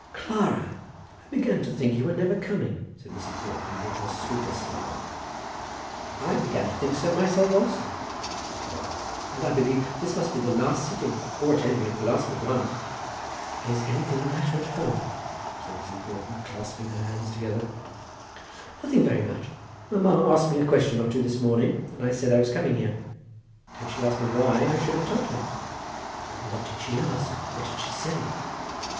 "Clara, I began to think you were never coming," said Mrs. Broughton, with her sweetest smile. "I began to think so myself also," said Clara. "And I believe this must be the last sitting, or, at any rate, the last but one." "Is anything the matter at home?" said Mrs. Broughton, clasping her hands together. "Nothing very much; mamma asked me a question or two this morning, and I said I was coming here. Had she asked me why, I should have told her." "But what did she ask? What did she say?"